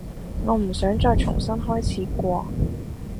我唔想再重新開始過